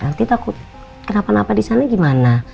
nanti takut kenapa napa disana gimana